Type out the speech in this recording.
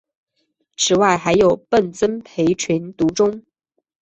此外还有笨珍培群独中。